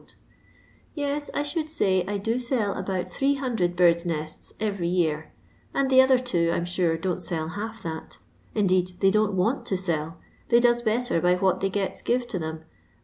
Tes, I should say, I do sell about 800 birds' nests every year, and the other two, I *m sure, don't sell half that Indeed they don't want to sell ; they does better by what they gets give to them.